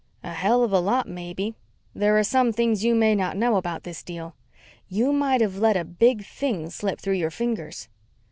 "A hell of a lot, maybe. There are some things you may not know about this deal. You might have let a big thing slip through your fingers."